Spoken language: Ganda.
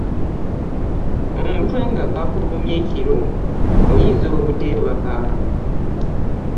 Omutwe nga gwakulumye ekiro oyinza obuteebaka.